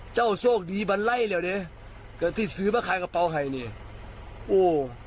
เจ้าโชคดีมาไล่เล่วเละกะทิซื้อมาขายกระเป๋าไห่โอ้